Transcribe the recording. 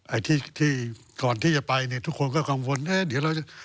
ไอ้ที่ก่อนที่จะไปทุกคนก็กังวลเดี๋ยวเราจะ